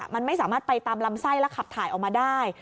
มันไม่สามารถไปตามลำไส้และขับถ่ายออกมาได้